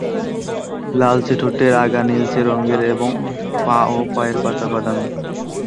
লালচে ঠোঁটের আগা নীলচে রঙের এবং পা ও পায়ের পাতা বাদামি।